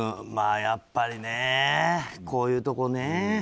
やっぱりね、こういうところね。